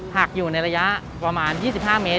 หากอยู่ในระยะประมาณ๒๕เมตร